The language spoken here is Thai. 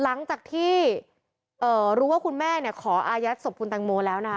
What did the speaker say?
หลังจากที่รู้ว่าคุณแม่ขออายัดศพคุณแตงโมแล้วนะคะ